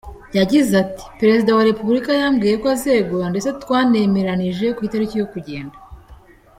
Yagize ati “Perezida wa Repubulika yambwiye ko azegura ndetse twanemeranyijwe ku itariki yo kugenda.